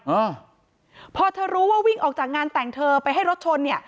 อ่าพอเธอรู้ว่าวิ่งออกจากงานแต่งเธอไปให้รถชนเนี่ย